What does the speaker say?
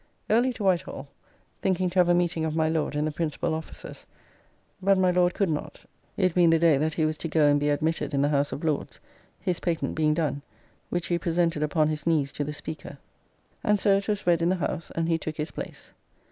Early to White Hall, thinking to have a meeting of my Lord and the principal officers, but my Lord could not, it being the day that he was to go and be admitted in the House of Lords, his patent being done, which he presented upon his knees to the Speaker; and so it was read in the House, and he took his place.